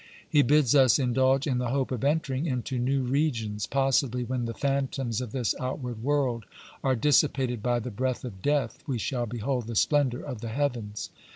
2 He bids us in dulge in the hope of entering into new regions ; 3 possibly when the phantoms of this outward world are dissipated by the breath of death we shall behold the splendour of the heavens.